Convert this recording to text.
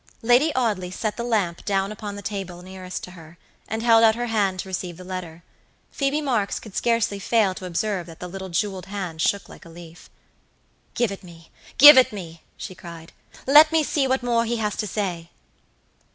Lady Audley set the lamp down upon the table nearest to her, and held out her hand to receive the letter. Phoebe Marks could scarcely fail to observe that the little jeweled hand shook like a leaf. "Give it megive it me," she cried; "let me see what more he has to say."